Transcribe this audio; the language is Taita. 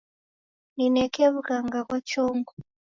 Nineke w'ughanga ghwa chongo.